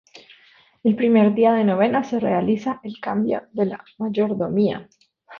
El primer día de novena se realiza el cambio de la mayordomía.